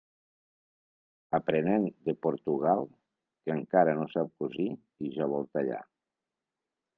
Aprenent de Portugal, que encara no sap cosir i ja vol tallar.